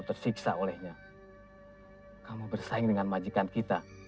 tersiksa olehnya kamu bersaing dengan majikan kita